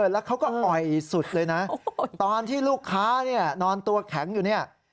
แล้วเขาก็อ่อยสุดเลยนะตอนที่ลูกค้าเนี่ยนอนตัวแข็งอยู่เนี่ย